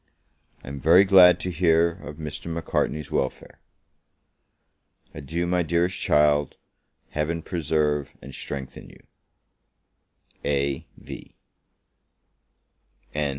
I am very glad to hear of Mr. Macartney's welfare. Adieu, my dearest child! Heaven preserve and strengthen you! A.V.